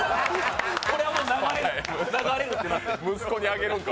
これはもう流れるって。